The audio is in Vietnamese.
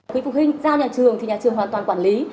quý phụ huynh giao nhà trường thì nhà trường hoàn toàn quản lý